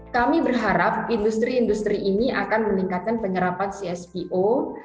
kami berharap industri industri ini akan meningkatkan penyerapan cspo